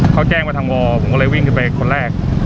เขาแจ้งไปทางวอร์ผมก็เลยวิ่งไปคนแรก